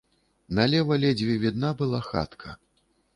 Налева ледзьве відна была хатка.